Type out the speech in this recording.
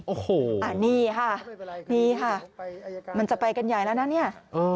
โอ้โหนี่ค่ะมันจะไปกันใหญ่แล้วนะ